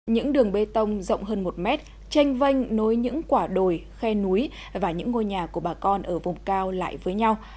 những đường bê tông rộng hơn một mét tranh vanh nối những quả đồi khe núi và những ngôi nhà của bà con ở vùng cao lại với nhau